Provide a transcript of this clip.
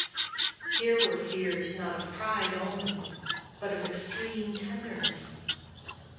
Here were fears not of pride only, but of extreme tenderness.